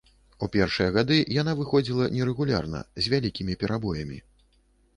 У першыя гады яна выхадзіла нерэгулярна, з вялікімі перабоямі.